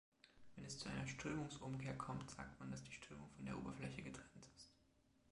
Wenn es zu einer Strömungsumkehr kommt, sagt man, dass die Strömung von der Oberfläche getrennt ist.